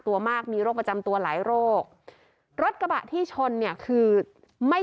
ตัวมากมีโรคประจำตัวหลายโรครถกระบะที่ชนเนี่ยคือไม่